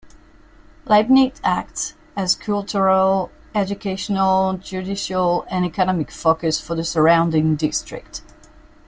Leibnitz acts as a cultural, educational, judicial and economic focus for the surrounding district.